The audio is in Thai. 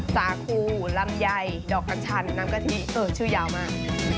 สาคูลำไยดอกกระชันน้ำกะทิเออชื่อยาวมาก